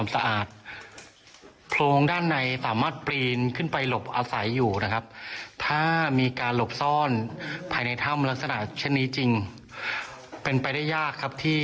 ไม่ได้ยากครับว่าจะตรวจพบ